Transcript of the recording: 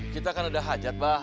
kita kan sudah hajat pak